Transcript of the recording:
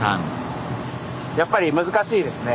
やっぱり難しいですね。